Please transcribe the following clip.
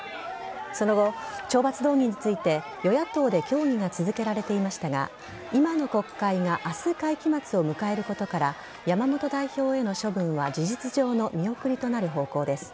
その後、懲罰動議について与野党で協議が続けられていましたが、今の国会があす会期末を迎えることから、山本代表への処分は事実上の見送りとなる方向です。